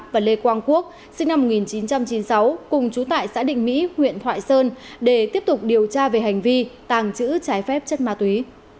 và lê quang quốc sinh năm một nghìn chín trăm chín mươi sáu cùng trú tại xã định mỹ huyện thoại sơn để tiếp tục điều tra về hành vi tàng trữ trái phép chất ma túy